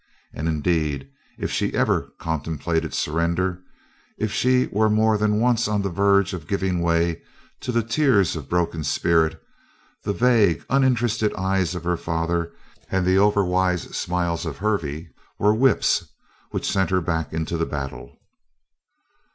And indeed, if she ever contemplated surrender, if she were more than once on the verge of giving way to the tears of broken spirit, the vague, uninterested eyes of her father and the overwise smiles of Hervey were whips which sent her back into the battle.